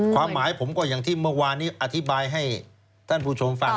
ความหมายผมก็อย่างที่เมื่อวานนี้อธิบายให้ท่านผู้ชมฟัง